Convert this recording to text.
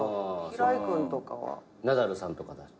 ナダルさんとかだ。